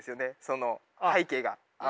その背景が。